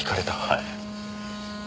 はい。